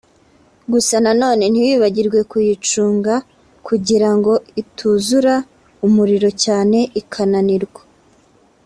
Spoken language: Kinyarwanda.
gusa na none ntiwibagirwe kuyicunga kugirango ituzura umuriro cyane ikananirwa